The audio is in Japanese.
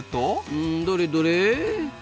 うんどれどれ？